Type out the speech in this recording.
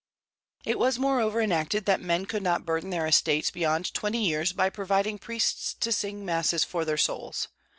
It was moreover enacted that men could not burden their estates beyond twenty years by providing priests to sing masses for their souls.